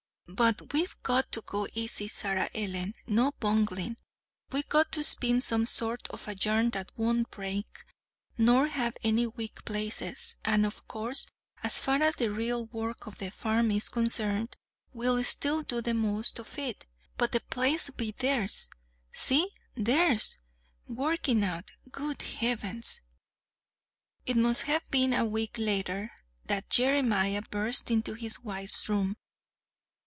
"But we've got to go easy, Sarah Ellen, no bungling. We've got to spin some sort of a yarn that won't break, nor have any weak places; and of course, as far as the real work of the farm is concerned, we'll still do the most of it. But the place'll be theirs. See? theirs! Working out good Heavens!" It must have been a week later that Jeremiah burst into his wife's room.